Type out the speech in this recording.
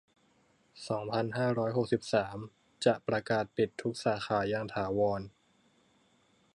สองพันห้าร้อยหกสิบสาม จะประกาศปิดทุกสาขาอย่างถาวร